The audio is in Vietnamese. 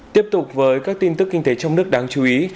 tiếp tục với các tin tức kinh tế trong nước đáng chú ý